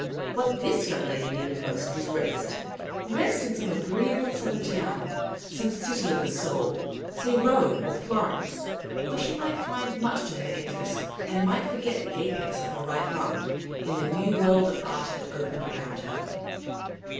What this young lady needed most was rest ; rest in some agree 147 14^ Miss Cayley's Adventures able southern town, some city of the soul — say Rome or Florence— where she might find much to interest her, and might forget the apex of her right lung in the new world of art that opened around her.